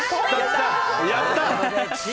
やった！